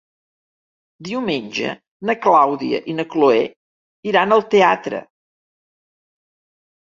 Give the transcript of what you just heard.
Diumenge na Clàudia i na Cloè iran al teatre.